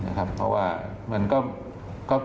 คงไม่ตอบเนอะคำถามนี้นะครับเพราะว่ามันก็